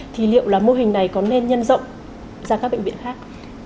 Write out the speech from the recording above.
thì liệu là mô hình này có nên nhân rộng ra các bệnh viện khác